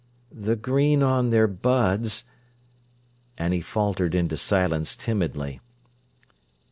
"The green on their buds—" and he faltered into silence timidly.